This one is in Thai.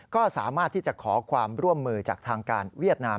ก็สามารถที่จะขอความร่วมมือจากทางการเวียดนาม